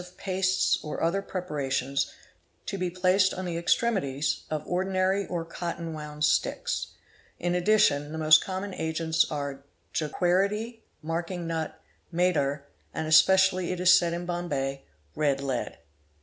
of pastes or other preparations to be placed on the extremities of ordinary or cotton wound sticks; in addition, the most common agents are Jequirity, mark ing nut, madar, and, especially it is said in Bombay, xed lead.